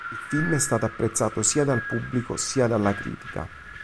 Il film è stato apprezzato sia dal pubblico sia dalla critica.